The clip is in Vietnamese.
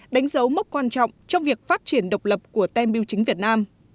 đánh dấu mốc quan trọng trong việc phát triển độc lập của tem biêu chính việt nam